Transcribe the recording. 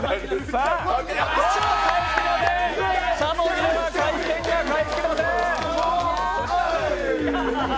しゃもじでは回転がかけられません。